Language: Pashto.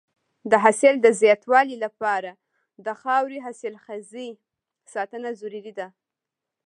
د حاصل د زیاتوالي لپاره د خاورې حاصلخېزۍ ساتنه ضروري ده.